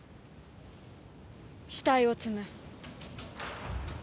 死体を積む。